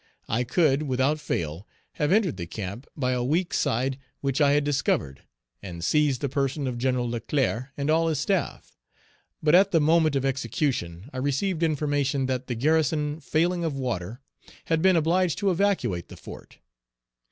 I could, without fail, have entered the camp by a weak side which I had discovered, Page 307 and seized the person of Gen. Leclerc and all his staff; but at the moment of execution; I received information that the garrison, failing of water, had been obliged to evacuate the fort.